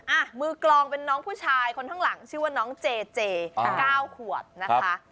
อ่ะมือกลองเป็นน้องผู้ชายคนข้างหลังชื่อว่าน้องเจเจเก้าขวบนะคะ